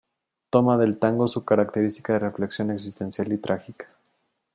Toma del tango su característica de reflexión existencial y trágica.